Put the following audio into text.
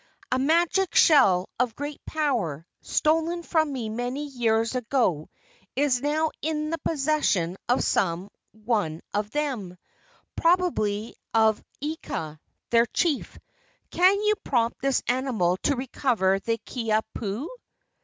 A magic shell of great power, stolen from me many years ago, is now in the possession of some one of them probably of Ika, their chief. Can you prompt this animal to recover the Kiha pu?"